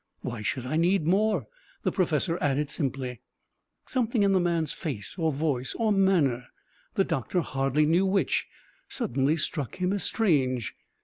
"Why should I need more?" the professor added simply. Something in the man's face, or voice, or manner the doctor hardly knew which suddenly struck him as strange.